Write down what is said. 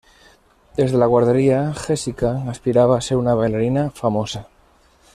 Desde la guardería, Jessica aspiraba a ser una bailarina famosa.